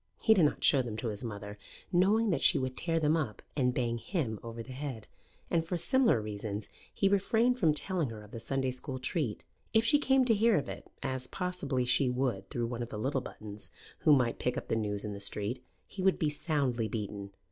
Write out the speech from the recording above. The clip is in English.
He did not show them to his mother, knowing that she would tear them up and bang him over the head; and for similar reasons he refrained from telling her of the Sunday school treat. If she came to hear of it, as possibly she would through one of the little Buttons, who might pick up the news in the street, he would be soundly beaten.